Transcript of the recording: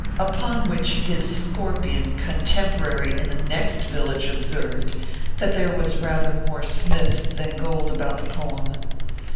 Upon which his scorpion contemporary in the next village observed, that there was rather more smith than gold about the poem.